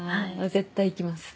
絶対行きます。